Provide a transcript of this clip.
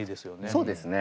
そうですね。